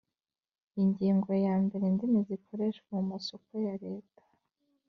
Ingingo ya mbere Indimi zikoreshwa mu masoko ya Leta